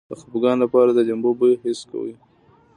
د خپګان لپاره د لیمو بوی حس کړئ